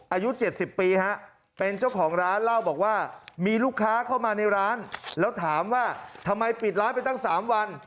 อายุ๗๐ปีฮะเป็นเจ้าของร้านเล่าบอกว่ามีลูกค้าเข้ามาในร้านแล้วถามว่าทำไมปิดร้านไปตั้ง๓วัน